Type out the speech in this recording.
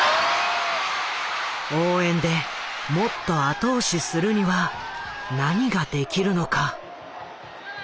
応援でもっと後押しするには何ができるのか。